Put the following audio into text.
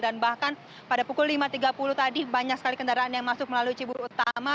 dan bahkan pada pukul lima tiga puluh tadi banyak sekali kendaraan yang masuk melalui cibubur utama